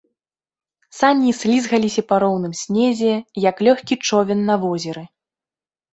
Сані слізгаліся па роўным снезе, як лёгкі човен на возеры.